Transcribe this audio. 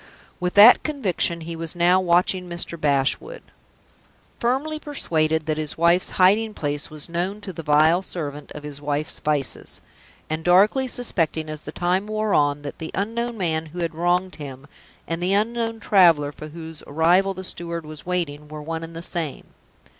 With that conviction he was now watching Mr. Bashwood, firmly persuaded that his wife's hiding place was known to the vile servant of his wife's vices; and darkly suspecting, as the time wore on, that the unknown man who had wronged him, and the unknown traveler for whose arrival the steward was waiting, were one and the same.